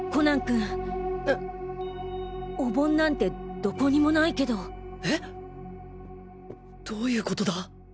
んっ？お盆なんてどこにもないけど。えっ！？どういう事だ。